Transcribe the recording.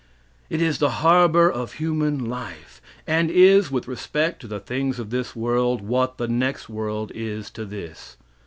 It is the harbor of human life, and is, with respect to the things of this world, what the next world is to this.